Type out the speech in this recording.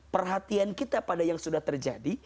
perhatian kita pada yang sudah terjadi